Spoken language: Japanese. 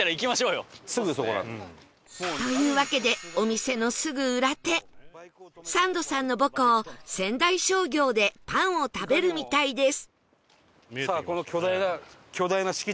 というわけでお店のすぐ裏手サンドさんの母校仙台商業でパンを食べるみたいです